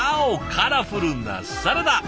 カラフルなサラダ！